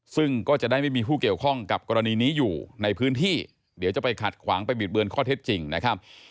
ซึ่งก็จะได้ไม่มีผู้เกี่ยวข้องกับกรณีนี้อยู่ในพื้นที่เดี๋ยวจะไปขัดขวางไปบิดเบือนข้อเท็จจริงนะครับ